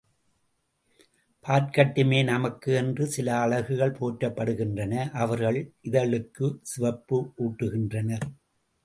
பார்க்கட்டுமே நமக்கு என்று சில அழகுகள் போற்றப்படுகின்றன, அவர்கள் இதழுக்குச் சிவப்பு ஊட்டுகின்றனர்.